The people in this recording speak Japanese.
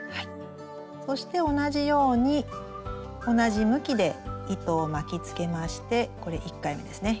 そして同じように同じ向きで糸を巻きつけましてこれ１回目ですね